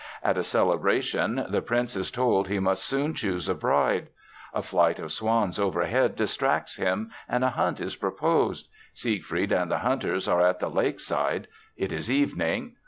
At a celebration the prince is told he must soon choose a bride. A flight of swans overhead distracts him and a hunt is proposed. Siegfried and the hunters are at the lake side. It is evening.